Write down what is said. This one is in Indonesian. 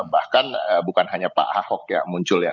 bahkan bukan hanya pak ahok ya muncul ya